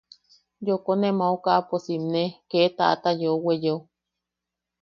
Yooko ne maokapo simne, kee taʼata yeu weyeo.